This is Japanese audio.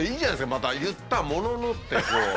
また「言ったものの」ってこう。